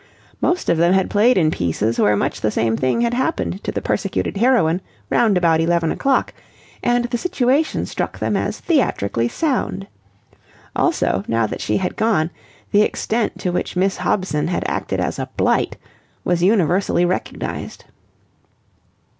Most of them had played in pieces where much the same thing had happened to the persecuted heroine round about eleven o'clock, and the situation struck them as theatrically sound. Also, now that she had gone, the extent to which Miss Hobson had acted as a blight was universally recognized.